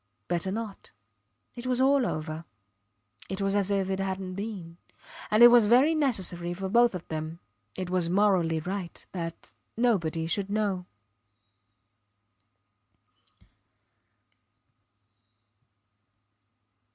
Better not. It was all over. It was as if it hadnt been. And it was very necessary for both of them, it was morally right, that nobody should know.